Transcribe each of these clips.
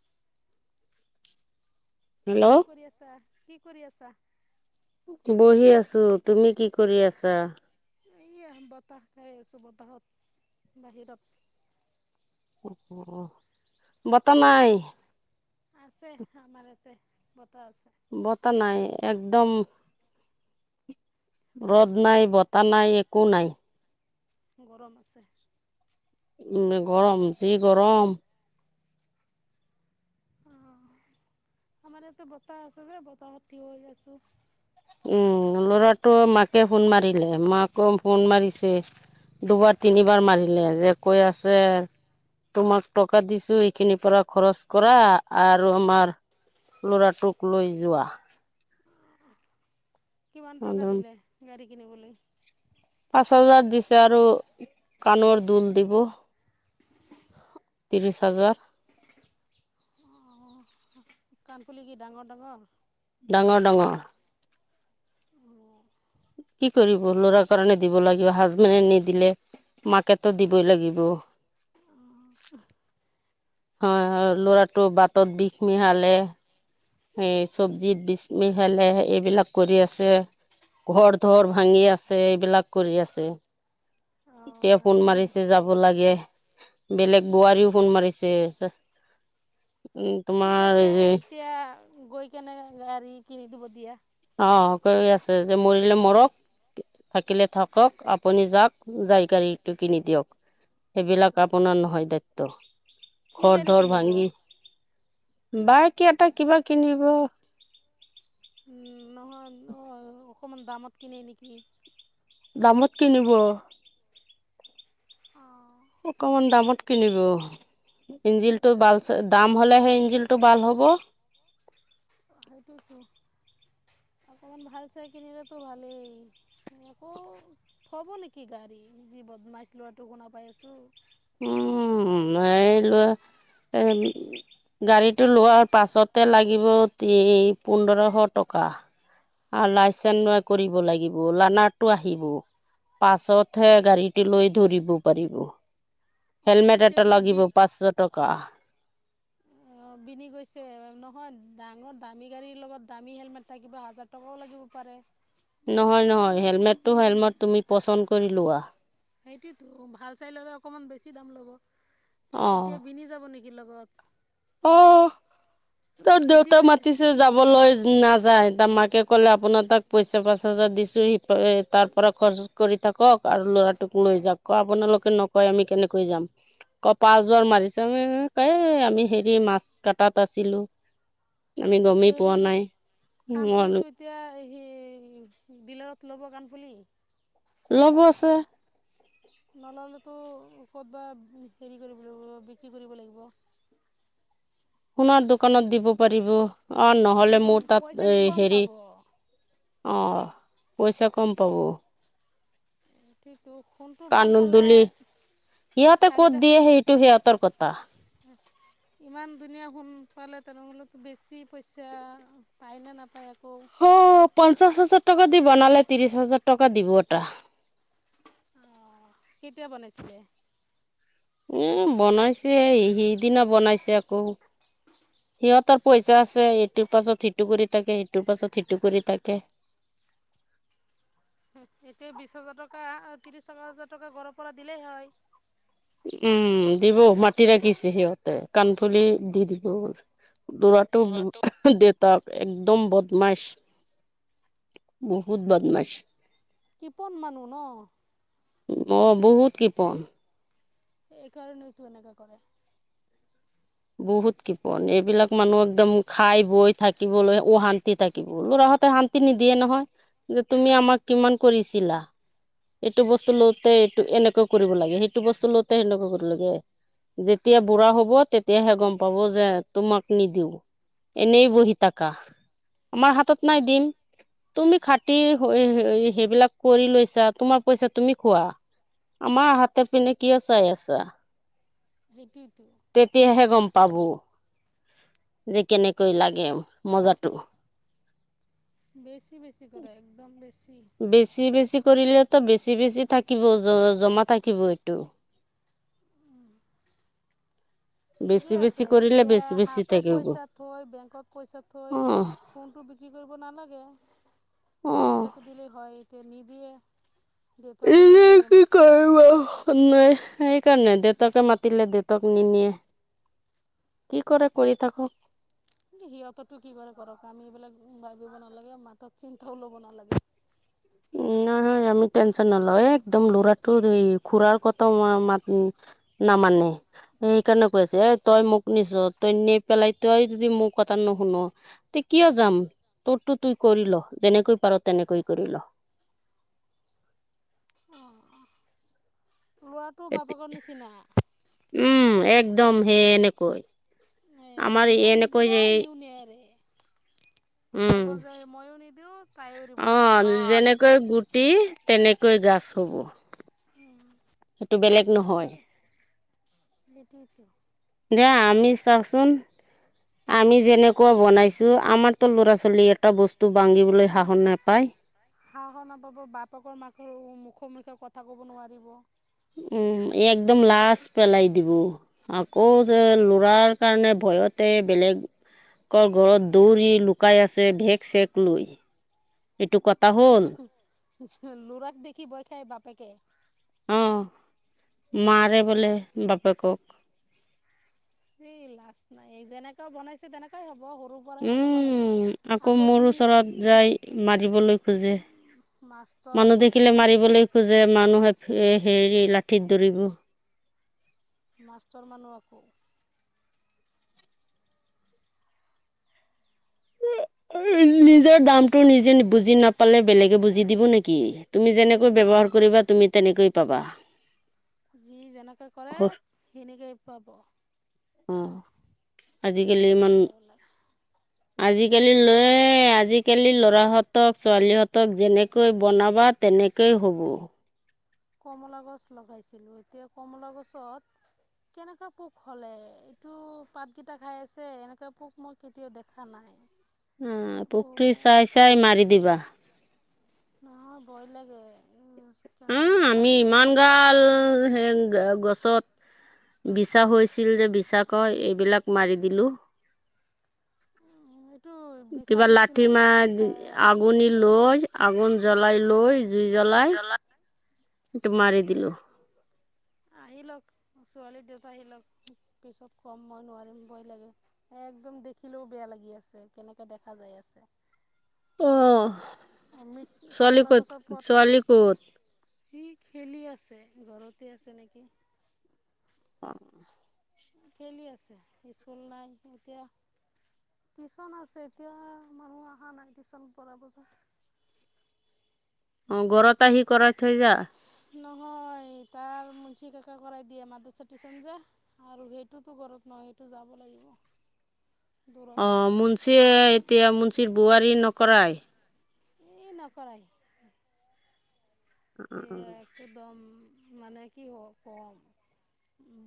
[inaudible] কি কৰি আছা? কি কৰি আছা? বহি আছো। তুমি কি কৰি আছা? এইয়া বতাহ খাই আছো, বতাহত বাহিৰত। অ' বতাহ নাই? আছে আমাৰ ইয়াতে ব বতাহ নাই, এক একদম ৰদ নাই, বতাহ নাই, একো নাই। গৰম আছে। উম গৰম। যি গৰম অ' আমাৰ ইয়াতে বতাহ আছে যে বতাহত থিয় হৈ আছো। উম লৰাটো মাকে ফোন মাৰিলে, মাকো ফোন মাৰিছে। দুবাৰ তিনিবাৰ মাৰিলে, যে কৈ আছে তোমাক টকা দিছো এইখিনিৰ পৰা খৰচ কৰা, আৰু আমাৰ ল'ৰাটোক লৈ যোৱা। কিমান টকা দিলে গাড়ী কিনিবলৈ? ছয় লাখ দিছে, আৰু কাণৰ দোল দিব। ত্ৰিশ হাজাৰ। অ' কাণফুলি কি ডাঙৰ ডাঙৰ? ডাঙৰ ডাঙৰ। অ', কি কৰিব লৰা কাৰণে দিব লাগিব, হাজবেণ্ডে নিদিলে। মাকেতো দিবই লাগিব। আহ। হয় হয় ল'ৰাটোটো বাটত বিঘ মিহালে স চব্জিত বিচ মি খালে এইবিলাক কৰি আছে। ঘৰ ধৰ অ', ভাঙি আছে, এইবিলাক কৰি আছে। এতিয়া ফোন নি মাৰিছে যাব লাগে। বেলেগ বোৱাৰীও ফোন মাৰিছে। ঠিক তোমাৰ আছে এতিয়া গৈ কেনে গাড়ী কিনি দিব দিয়া অ কৈ আছে যে মৰিলে মৰক থাকিলে থাকক আপুনি যাওক যাই গাড়ীটো কিনি দিয়ক সেইবিলাক আপোনাৰ নহয় দায়িত্ব কি খৰ গাড়ী ধৰ কিনিব? ভাঙি বাই ক এটা কিবা কিনিব অ অ অকমান দামত কিনে নেকি? দামত কিনিব অ'। অকমান দামত কিনিব ইঞ্জিল বাল দাম হলে সেই ইঞ্জিল টো ভাল হ'ব সেইটোতো [unintelligible] অকণমান ভাল চাই কিনিলতো ভালেই আকৌ থব নেকি গাড়ী বদ মাইছ লোৱাটো শুনা পাই আছো উম এই লোৱা এ গাড়ীটো লোৱাৰ পাছতে লাগিব পোন্ধৰশ টকা আৰু লাইচেন্ ন কৰিব লাগিব লানাৰটো আহিব পাছতহে গাড়ীটো লৈ ধৰিব পাৰিব অঁ হেলমেট এতিয়া এটা কি লাগিব বি পাঁচশ টকা হয় ডাঙৰ দামী গাড়ীৰ লগত দামী হেলমেট থাকিবা হাজাৰ টকাও লাগিব পাৰে নহয় নহয় হেলমেটটো হেলমট তুমি পচন্দ কৰি লোৱা সেইটোতো ভাল চাই ললে অকমান বেছি দাম ল'ব অ এতিয়া বিনি যাব নেকি লগত অ ত গুচি দেউতা গৈছে মাতিছে যাবলৈ না যা তাৰ মাকে ক'লে আপোনাৰ তাক পইচা পাচা দিছোঁ সি তাৰ পৰা খৰচ কৰি থাকক আৰু ল'ৰাটোক লৈ যাকও ক আপোনালোকে নকয় আমি কেনেকৈ যাম কপা জৰ মাৰিছে ক আমি হেৰি মাছ কটাত আছিলো আমি এতিয়া গমেই হেৰি পোৱা নাই কাণফুলিতটো এতিয়া সি ডিলাৰত ল'ব গান ফুলি লব আছে নললেতো ক'তবা হেৰি কৰিব লাগিব বিক্ৰী কৰিব লাগিব সোণাৰ দোকানত দিব পাৰিব অ নহ'লে মোৰ তাত পইচাটো কম হেৰি পাব অ পইচা কম পাব সেইটো সোনটো ভাল হ'লে ইহঁতে খালি ক'ত দে দিয়ে সেইটো সিহঁতৰ কথা সোন পালে তেনেহল বেছি পইচা পায় ন নে অ পঞ্চাশ হাজাৰ টকা দি বনালে ত্ৰিশ হাজাৰ টকা দিব এটা আহ কেতিয়া বনাইছিলে উম বনাইছে সিদিনা বনাইছে আকৌ সিহঁতৰ পইচা আছে ইটোৰ পাছত সিটো কৰি থাকে ইটোৰ পাছত সিটো কৰি থাকে [inaudible] এতিয়া বিশ হাজাৰ টকা ত্ৰিশ টকা হাজাৰ টকা ঘৰৰ পৰা দিলেই হয় উম দিব মাটি ৰাখিছে সিহঁতে কাণফুলি দি দিব দৰাটো দে ত একদম বদমাছ বহুত বদমাছ কিপন মানু ন অঁ বহুত কৃপন এইকাৰণতো এনেকে কৰে বহুত কৃপন এইবিলাক মানুহ একদম খাই বৈ থাকিবলৈ অশান্তি থাকিব লৰা সিহতে শান্তি নিদিয়ে নহয় যে তুমি আমাক কিমান কৰিছিলা এইটো বস্তু লওঁতে এইটো এনেকুৱা কৰিব লাগে, সেইটো বস্তু লওঁতে সেনেকুৱা কৰিব লাগে। যেতিয়া বুঢ়া হব তেতিয়াহে গম পাব যে তোমাক নিদিওঁ। এনেই বহি থাকা। আমাৰ হাতত নাই দিম তুমি খাটি সেইবিলাক কৰি লৈছা তোমাৰ পইচা তুমি খোৱা, আমাৰ হাতৰ পিনে কিয় চাই আছা? সেইটোৱেতো তেতিয়াহে গম প পাব যে কেনেকৈ লাগে মজাটো। বেছি বেছি কৰে একদম বেছি। বেছি বেছি কৰিলেতো বেছি বেছি থাকিব জমা থাকিব এইটো। ঠিকে বেছি বেছি আছে কৰিলে এতিয়া বেছি বেছি হাতৰ থাকিব পইচা থৈ, বেংকত পইচা থৈ অ কোনটো বিক্ৰী কৰিব ন নাই [unintelligible] অ পইচাটো দিল হয়, এতিয়া নিদিয়ে। দেউতাকে উ নিদিয়ে কি কৰিবা, কাম নাই। সেইকাৰণে দেউতাকে মাতিলে দেউতাক নিনিয়ে কি কৰে কৰি থাকক। সিহঁতটোৰ কি কৰে কৰক আমি এইবিলাক ভাবিব নালাগে মাঠাত চিন্তাও ল'ব নালাগে। উম নহয় আমি টেনশচন নলওঁ একদম লৰাটো খুৰাৰ কথা মাত নামানে সেইকাৰণে কৈ আছে এ তই মোক নিছ তই নি পেলাই তই যদি মোৰ কথা নোশুন তে কিয় যাম তোৰতো তুই কৰিল যেনেকৈ পাৰ তেনেকৈ কৰিল। অঁ ল'ৰাটো বাপেকৰ নিচিনা উম একদম সে এনেকৈ। এই আমাৰ সিও নিদিব এনেকৈ সিও নেৰে [inaudible] ক'ব উম যে ময়ো নিদিওঁ তাইও দিব অ নোৱাৰিব যেনেকৈ গুটি তেনেকৈ গাছ ছ হ'ব সেইটো বেলেগ নহয়। সেইটোয়েটো। দিয়া আমি চাৱাচোন আমি যেনেকুৱা বনাইছো আমাৰতো ল'ৰা-ছোৱালী এটা বস্তু ভাঙিবলৈ উম সাহস নাপায় সাহস নাপাব, বাপেকৰ-মাকৰ মুখত সন্মুখত কথা ক'ব নোৱাৰিব। উম একদম লাজ পেলাই দিব আকৌ যে লৰাৰ কাৰণে ভয়তে বেলেগ ঘৰত দৌৰি লুকাই আছে বেক-চেক লৈ এইটো কথা হ'ল, লৰাক দেখি ভয় খাই বাপেকে? অ মাৰে বলে বাপেকক। এই লাজ নাই যেনেকাও বনাইছে তেনেকুৱাই হ'ব। সৰুৰ পৰা এনেকৈ বনাইছে উম আকৌ মোৰ ওচৰত যাই মাৰিবলৈ খোজে মাষ্টৰ মানুহ আকৌ দেখিলে মাৰিবলৈ খোজে, মানুহে হেৰি লাঠিত ধৰিব। মাষ্টৰ মানু্হকো। নিজৰ দামটো নিজে বুজি নাপালে বেলেগে বুজি দিব নি কি তুমি যেনেকৈ সেইটোৱেইটো বব্যৱহাৰ কৰিবা তুমি তেনেকৈ পাবা। যি যেনেকে কৰে সেনেকেই পাব। অ আজিকালি বুজি ইমান পাব লাগে আজি আজিকালি লৰাই আজিকালি ল'ৰাহতক ছোৱালীহতক যেনেকৈ বনাবা তেনেকৈ হ'ব। কমলা গছ লগাইছিলো এতিয়া কমলা গছত কেনেকুৱা পোক হলে এইটো পাতকেইটা খাই আছে এনেকুৱা পোক মই কেতিয়াও দেখা নাই। উম পোকটো চাই পোক চাই মাৰি দিবা। নহয় ভয় লাগে, উম। উম, আমি ইমান গাল হে গছত বিছা হৈছিল যে বিছা কয়, এইবিলাক মাৰি দিলো। এইটো বিচৰা কিবা লাঠি নিচিনাই মাহ দেখাত ভাল লাগে আগুনি ভয় লাগে লৈ, আগুন জ্বলাই লৈ জুই জ্বলাই এইটো মাৰি দিলো। আহি লওক, ছোৱালীৰ দেউতা আহি লওক, পিছত কম মই নোৱাৰিম, ভয় লাগে। একদম দেখিলেও বেয়া লাগি আছে, কেনেকে দেখা যাই আছে। অহ, মৃত ছোৱালী কমলা ক'ত? ছোৱালী ক'ত? ছোৱালী খেলি আছে, ঘৰতে আছে নিকি। অ। খেলি আছে স্কুল নাই, এতিয়া। টিউশন আছে, এতিয়া মানুহ অহা নাই টিউশচন পঢ়াব যায় অ', ঘৰত আহি কৰাই থৈ যা। নহয়, তাৰ মুন্সি কাকাই কৰাই দিয়ে মাদ্ৰাছাৰ তিছন যে আৰু সেইটোতো ঘৰত। হয়, সেইটো যাব লাগিব। দূৰত অ', মুঞ্চিয়ে এতিয়া মুঞ্চিৰ বোৱাৰীয়ে নকৰাই।। সি নকৰাই, সি একদম। মানে কি হ কম।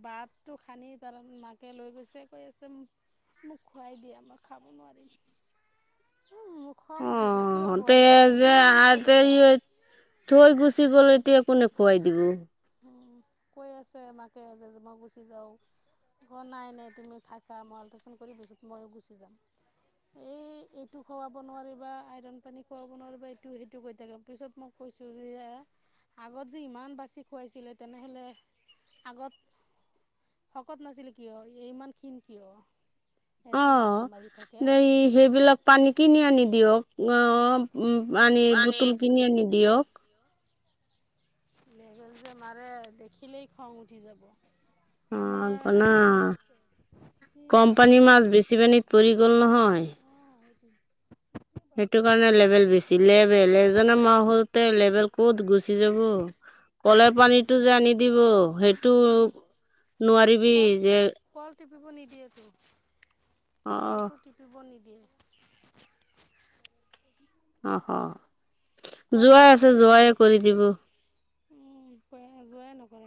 ভাতটো সানি তাৰ মাকে লৈ গৈছে, কৈ আছে। মোক খুৱাই দিয়া, মই খাব নোৱাৰিম। [inaudible] উম, মোক খং উঠিছে। কিয় অ তে নোৱাৰিবা? এই কি যে তে কৰিছা? থৈ গুচি গ'ল এতিয়া, কোনে খুৱাই দিব। কৈ আছে মাকে যে মই গুচি যাওঁ। অ', নাই নাই তুমি থাকা। মই আল্ট্ৰাচাউন কৰি, পিছত ময়ো গুচি যাম। এই, এইটো খুৱাব নোৱাৰিবা, আইৰন পানী খুৱাব নোৱাৰিবা। এইটো সেইটো কৈ থাকে পিছত মোক। কৈছোঁ যে এ আগত যে ইমান বাচি। খুৱাইছিলে, তেনেহ'লে আগত। শকত নাছিলে কিয়? ইমান ক্ষীণ কিয়? ইয়াতে লেবেল অ', মাৰি থাকে এই, সেইবিলাক পানী কিনি আনি দিয়ক। অ, উম, পানী বটল কিনি আনি দিয়ক। লেবেল যে মাৰে, দেখিলেই খং উঠি যাব। অ আমাৰ। না কি কম বনাইছা পানীৰ অঁ মাছ বেছি পানীত পৰি গ'ল নহয়। সেইটো কি সেইটো বনাইছিলা কাৰণে উম, লেবেল বেছি, লেবেল। এজনে [unintelligible] লেবেল ক'ত গুচি যাব। কলৰ পানীটো যে আনি দিব, সেইটো উম, নোৱাৰিব। কল [unintelligible] যে। কল টিপিব নিদিয়ে তো, অ কলটো টিপিব নিদিয়ে। [unintelligible] অহ অহ। কল টিপিব নিদিয়ে, [unintelligible] যোৱাই নকৰে।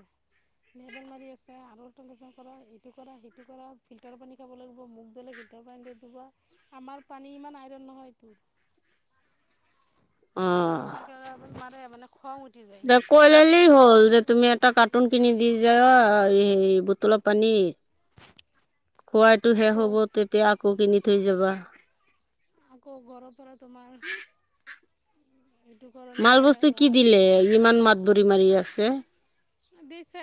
লেবেল মাৰি আছে আৰু [unintelligible] এইটো কৰা, সেইটো কৰা, ফিল্টাৰ পানী খাব লাগিব, মুখ ধুলে। [unintelligible] [unintelligible] আমাৰ পানী ইমান আইৰণ নহয়টো। [inaudible] অ এনেকুৱা লেবেল মাৰে। মানে খং উঠি যায় দে, কৈ ল'লেই হ'ল যে তুমি এটা কাৰ্টুন কিনি দি যাবা, এ বটল। পানী, খোৱাটো শেষ আকৌ হ'ব, তেতিয়া আকৌ কিনি থৈ যাবা। আকৌ ঘৰৰ পৰা তোমাৰ। এইটো কৰে মাল নকৰে বস্তু কি দিলে? ইমান মাত ভৰি মাৰি আছে। দিছে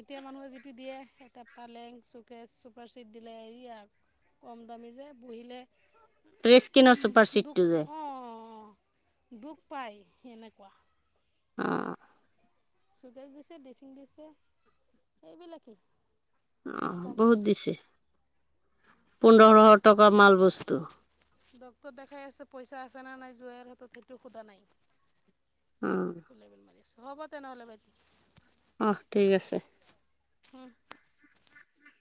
এতিয়া মানুহে যিটো দিয়ে এটা পালেং শ্বকেছ চোফাৰ ছেট দিলে। সেইয়া কম দামী যে বহিলে। প্ৰেছ কিনৰ চুপাৰ উ চিটটো যে দুখ অ দুখ পায়। সেনেকুৱা। অ। শ্বকেছ দিছে দিছে ড্ৰেছিং দিছে এইবিলাকেই। অ বহুত কমকৈ দিছে পোন্ধৰ। টকা মাল বস্তু। খাই আছে পইচা আছে নে নাই জোঁৱাইৰ হাতত সেইটো সোধা নাই অঁ লেবেল মাৰি আছে। হ'ব তেনেহ'লে বা। অহ ঠিক আছে। উম।